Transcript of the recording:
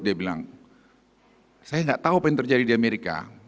dia bilang saya nggak tahu apa yang terjadi di amerika